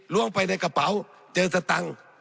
ไปในกระเป๋าเจอสตังค์